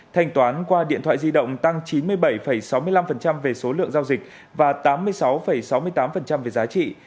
thanh toán qua điện thoại di động tăng chín mươi bảy sáu mươi năm về số lượng giao dịch và tám mươi sáu sáu mươi tám về giá trị